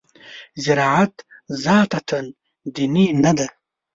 زراعت ذاتاً دیني نه دی.